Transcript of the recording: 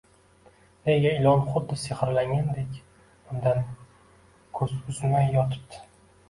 Nega ilon xuddi sehrlangandek, undan ko`z uzmay yotibdi